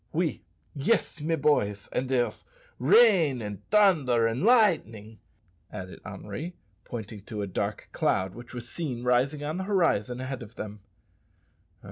"Oui, yis, mes boys; and there's rain, and tunder, and lightin'," added Henri, pointing to a dark cloud which was seen rising on the horizon ahead of them.